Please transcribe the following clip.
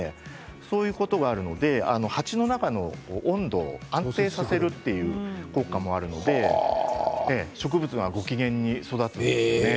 そういうことがあるので鉢の中の温度を安定させるという効果もありますので植物が、ご機嫌に育ちます。